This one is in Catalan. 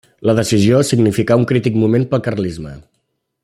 La decisió significà un crític moment pel carlisme.